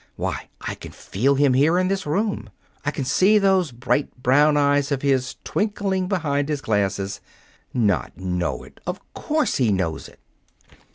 Why, I can feel him here in this room, I can see those bright brown eyes of his twinkling behind his glasses. Not know it! Of course he knows it."